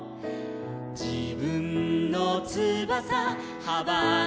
「じぶんのつばさはばたかせて」